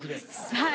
はい。